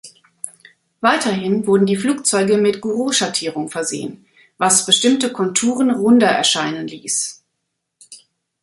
Weiterhin wurden die Flugzeuge mit Gouraud-Schattierung versehen, was bestimmte Konturen runder erscheinen ließ.